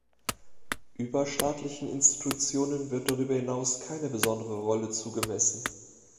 Überstaatlichen Institutionen wird darüber hinaus keine besondere Rolle zugemessen.